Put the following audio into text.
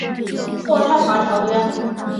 渥太华条约。